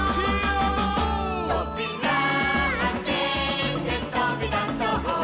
「とびらあけてとびだそう」